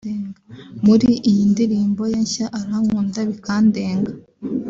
muri iyo ndirimbo ye nshya “Urankunda bikandenga”